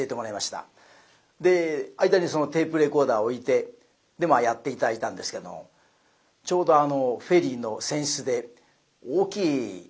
で間にテープレコーダーを置いてでまあやって頂いたんですけどちょうどフェリーの船室で大きいテレビがありました。